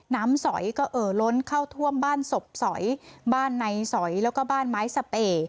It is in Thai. สอยก็เอ่อล้นเข้าท่วมบ้านศพสอยบ้านในสอยแล้วก็บ้านไม้สเป่